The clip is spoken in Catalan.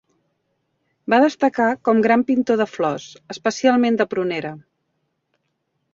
Va destacar com gran pintor de flors, especialment de prunera.